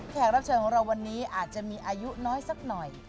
รับเชิญของเราวันนี้อาจจะมีอายุน้อยสักหน่อย